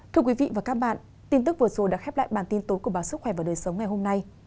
thưa quý vị và các bạn tin tức vừa rồi đã khép lại bản tin tối của báo sức khỏe và đời sống ngày hôm nay